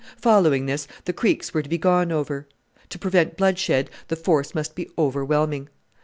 Following this, the creeks were to be gone over. To prevent bloodshed the force must be overwhelming.